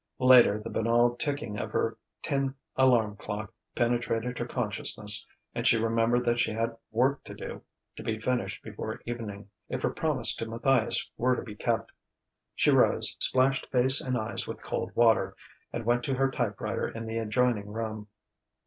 Later, the banal ticking of her tin alarm clock penetrated her consciousness, and she remembered that she had work to do to be finished before evening, if her promise to Matthias were to be kept. She rose, splashed face and eyes with cold water, and went to her typewriter in the adjoining room.